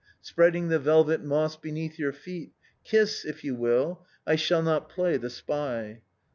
Spreading the velvet moss beneath your feet; Kiss, if you will; I shall not play the spy.